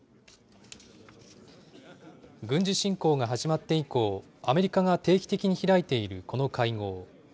軍事侵攻が始まって以降、アメリカが定期的に開いているこの会合。